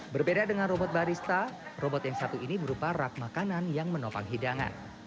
berbeda dengan robot barista robot yang satu ini berupa rak makanan yang menopang hidangan